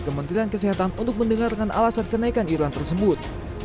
kementerian kesehatan untuk mendengar dengan alasan kenaikan iuran tersebut